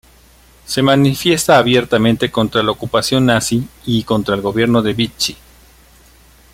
Se manifiesta abiertamente contra la ocupación nazi y contra el gobierno de Vichy.